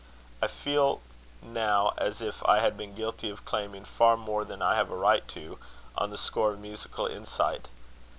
I feel now as if I had been guilty of claiming far more than I have a right to, on the score of musical insight.